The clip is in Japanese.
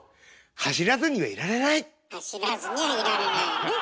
「走らずにはいられない」ね。